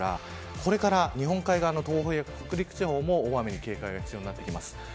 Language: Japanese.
これから日本海側の東北、北陸地方も大雨に警戒が必要です。